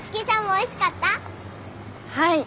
はい！